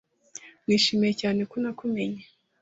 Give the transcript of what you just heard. nishimiye cyane ko nakumenye